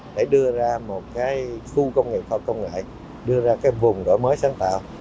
để đưa ra một khu công nghiệp khoa học công nghệ đưa ra cái vùng đổi mới sáng tạo